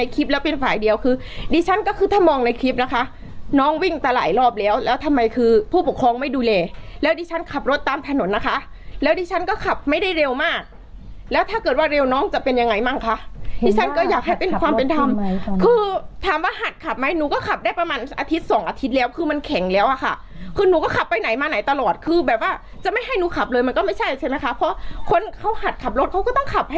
คือผู้ปกครองไม่ดูแลแล้วดิฉันขับรถตามถนนนะคะแล้วดิฉันก็ขับไม่ได้เร็วมากแล้วถ้าเกิดว่าเร็วน้องจะเป็นยังไงมั่งคะดิฉันก็อยากให้เป็นความเป็นธรรมคือถามว่าหัดขับไหมหนูก็ขับได้ประมาณอาทิตย์สองอาทิตย์แล้วคือมันแข็งแล้วอะค่ะคือหนูก็ขับไปไหนมาไหนตลอดคือแบบว่าจะไม่ให้หนูขับเลยมันก็